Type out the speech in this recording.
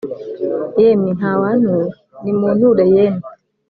yemwe ntawantura, nimunture yemwe !